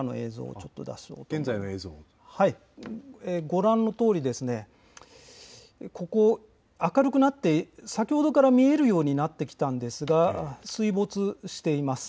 ご覧のとおり明るくなって先ほどから見えるようになってきたんですが水没しています。